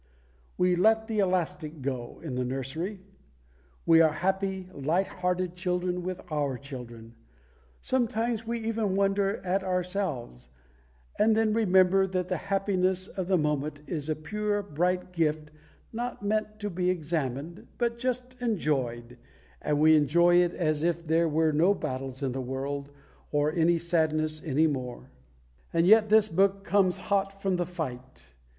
We "let the elastic go" in the nursery. We are happy, light hearted children with our children; sometimes we even wonder at ourselves; and then remember that the happiness of the moment is a pure, bright gift, not meant to be examined, but just enjoyed, and we enjoy it as if there were no battles in the world or any sadness any more. And yet this book comes hot from the fight.